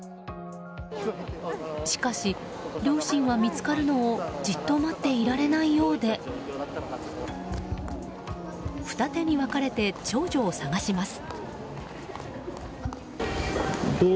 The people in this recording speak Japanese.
しかし両親は、見つかるのをじっと待っていられないようで二手に分かれて長女を捜します。